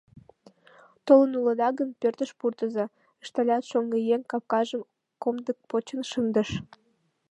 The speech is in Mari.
— Толын улыда гын, пӧртыш пурыза, — ышталят, шоҥгыеҥ капкажым комдык почын шындыш.